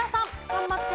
頑張って。